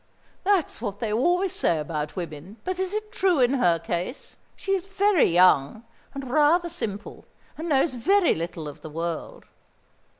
"That's what they always say about women; but is it true in her case? She is very young, and rather simple, and knows very little of the world."